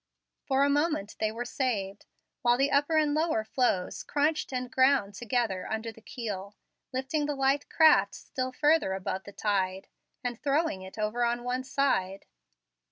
For a moment they were saved, while the upper and lower floes crunched and ground together under the keel, lifting the light craft still further above the tide and throwing it over on one side.